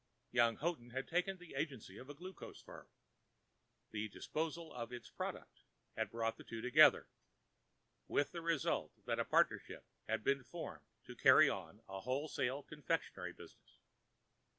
Young Houghton had taken the agency of a glucose firm. The disposal of this product had brought the two together, with the result that a partnership had been formed to carry on a wholesale confectionery business.